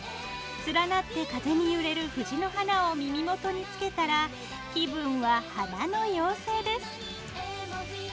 連なって風に揺れる藤の花を耳元につけたら気分は花の妖精です！